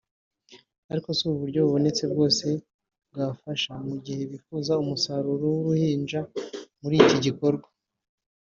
ariko si uburyo bubonetse bwose bwafasha mu gihe bifuza umusaruro w’uruhinja muri iki gikorwa […]